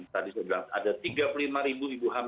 tadi sudah ada tiga puluh lima ibu hamil yang disaksikan divaksin